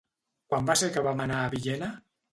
Quan va ser que vam anar a Villena?